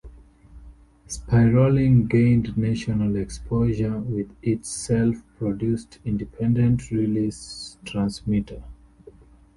Spiraling gained national exposure with its self-produced independent release "Transmitter".